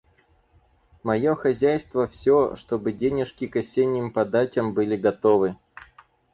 Мое хозяйство всё, чтобы денежки к осенним податям были готовы.